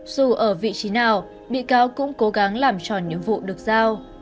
dù ở vị trí nào bị cáo cũng cố gắng làm tròn nhiệm vụ được giao